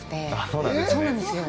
そうなんですよ。